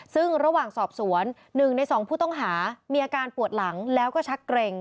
ซึ่งระหว่างสอบสวน๑ใน๒ผู้ต้องหามีอาการปวดหลังแล้วก็ชักเกร็ง